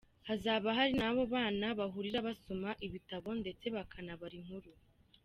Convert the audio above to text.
Hazaba hari n’aho abana bahurira basoma ibitabo ndetse bakanabara inkuru.